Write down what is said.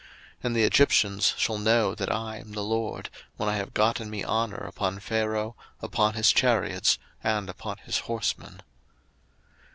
02:014:018 And the Egyptians shall know that I am the LORD, when I have gotten me honour upon Pharaoh, upon his chariots, and upon his horsemen.